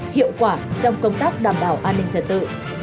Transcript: hiệu quả trong công tác đảm bảo an ninh trật tự